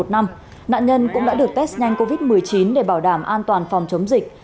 nạn nhân cũng đã được test nhanh covid một mươi chín để bảo đảm an toàn phòng chống dịch